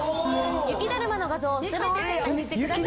雪だるまの画像を全て選択してください。